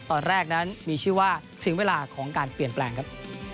ตอนแรกนั้นมีชื่อว่าถึงเวลาของการเปลี่ยนแปลงครับ